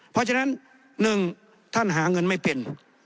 เพราะฉะนั้น๑ท่านหาเงินไม่เป็น